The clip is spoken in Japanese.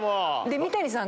三谷さん